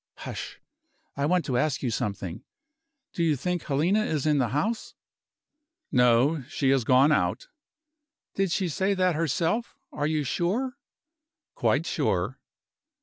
Hush! I want to ask you something. Do you think Helena is in the house?" "No she has gone out." "Did she say that herself? Are you sure?" "Quite sure."